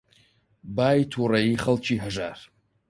بای تووڕەیی خەڵکی هەژار